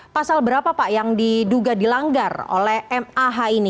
pasal berapa pak yang diduga dilanggar oleh mah ini